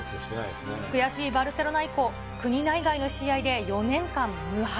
悔しいバルセロナ以降、国内外の試合で４年間無敗。